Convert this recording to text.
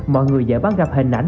mọi người dạy bán gặp hình ảnh